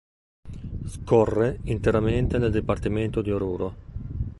Scorre interamente nel Dipartimento di Oruro.